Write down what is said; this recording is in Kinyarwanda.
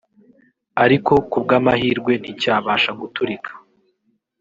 ariko kubw’amahirwe nti cyabasha guturika